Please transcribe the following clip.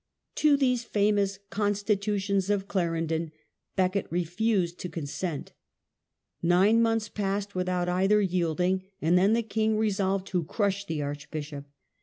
To these famous "Constitutions of Clarendon" Becket refused to consent Nine months passed without either yielding, and then the king resolved to crush the arch bishop.